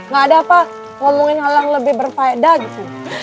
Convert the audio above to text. gak ada apa ngomongin hal yang lebih berfaedah gitu